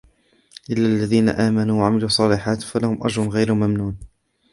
إلا الذين آمنوا وعملوا الصالحات فلهم أجر غير ممنون